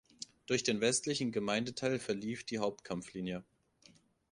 Durch den westlichen Gemeindeteil verlief die Hauptkampflinie.